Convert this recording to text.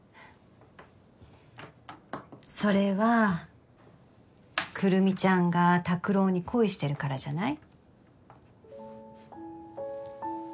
それはくるみちゃんが拓郎に恋してるからじゃない？